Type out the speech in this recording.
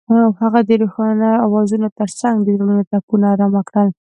هغې د روښانه اوازونو ترڅنګ د زړونو ټپونه آرام کړل.